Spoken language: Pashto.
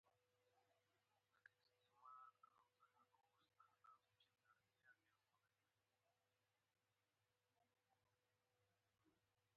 محمود ډېر ظالم دی.